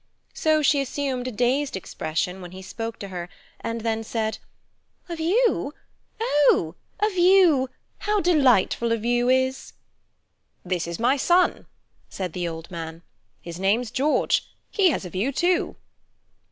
So she assumed a dazed expression when he spoke to her, and then said: "A view? Oh, a view! How delightful a view is!" "This is my son," said the old man; "his name's George. He has a view too."